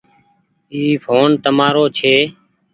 اي ڦون تمآرو ڇي۔